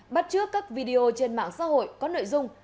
bắt trước các video trên mạng xã hội có nội dung